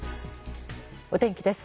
お天気です。